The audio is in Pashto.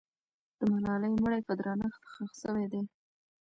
د ملالۍ مړی په درنښت ښخ سوی دی.